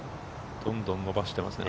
どんどん伸ばしていますね。